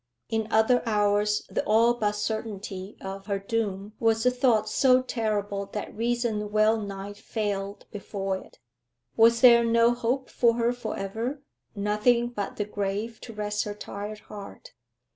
In other hours the all but certainty of her doom was a thought so terrible that reason well nigh failed before it. Was there no hope for her for ever, nothing but the grave to rest her tired heart?